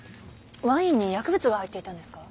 ワインに薬物が入っていたんですか？